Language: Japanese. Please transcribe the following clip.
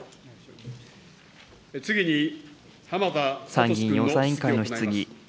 参議院予算委員会の質疑。